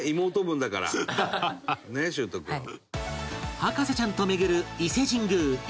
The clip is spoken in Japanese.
博士ちゃんと巡る伊勢神宮出雲大社